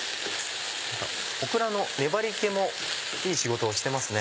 オクラの粘り気もいい仕事をしてますね。